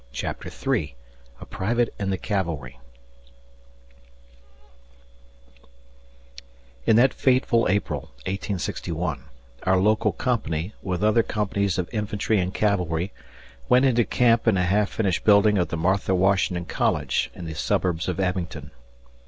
CHAPTER III A PRIVATE IN THE CAVALRY IN that fateful April, 1861, our local company, with other companies of infantry and cavalry, went into camp in a half finished building of the Martha Washington College in the suburbs of Abingdon.